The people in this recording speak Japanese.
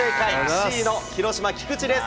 Ｃの広島、菊池です。